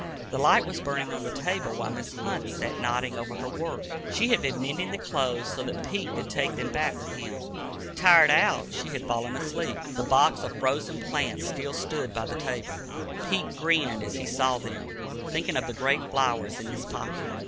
The light was burning on the table, while Mrs. Hunt sat nodding over her work. She had been mending the clothes so that Pete could take them back with him. Tired out, she had fallen asleep. The box of frozen plants still stood by the table. Pete grinned as he saw them, thinking of the great flowers in his pocket.